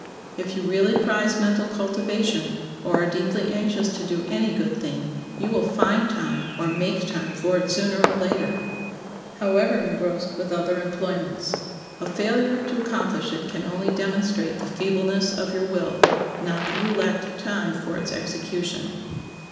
If you really prize mental cultivation, or are deeply anxious to do any good thing, you will find time or make time for it sooner or later, however, engrossed with other employments. A failure to accomplish it can only demonstrate the feebleness of your will, not that you lacked time for its execution.